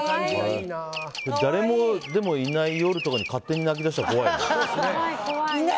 誰もいない夜とかに勝手に鳴き出したら怖いね。